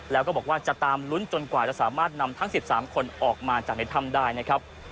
แล้วก็บอกว่าจะตามลุ้นจนกว่าจะสามารถนำทั้ง๑๓คนออกมาจากในถ้ำได้นะครับ